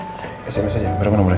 sms aja berapa nomornya